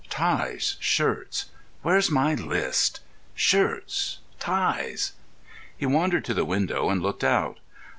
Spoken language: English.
"Ties, shirts—where's my list?—shirts, ties." He wandered to the window and looked out.